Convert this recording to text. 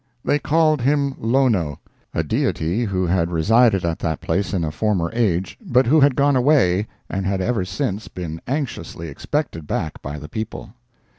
They called him Lono—a deity who had resided at that place in a former age, but who had gone away and had ever since been anxiously expected back by the people.